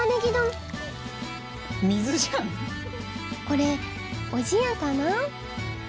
これおじやかな？